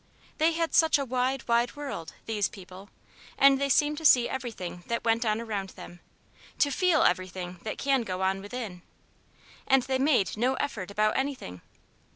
They had such a wide, wide world these people and they seemed to see everything that went on around them, to feel everything that can go on within. And they made no effort about anything.